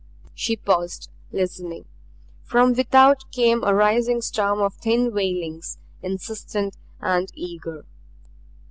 She paused, listening. From without came a rising storm of thin wailings, insistent and eager.